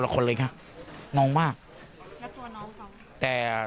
เข้าไป